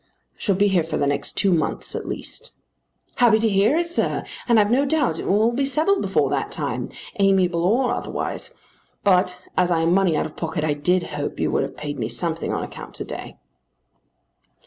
"I shall be here for the next two months, at least." "Happy to hear it, sir, and have no doubt it will all be settled before that time amiable or otherwise. But as I am money out of pocket I did hope you would have paid me something on account to day."